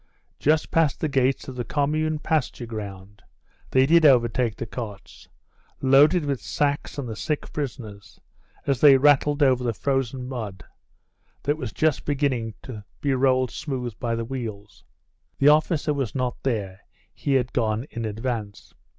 Just past the gates of the commune pasture ground they did overtake the carts, loaded with sacks and the sick prisoners, as they rattled over the frozen mud, that was just beginning to be rolled smooth by the wheels (the officer was not there, he had gone in advance).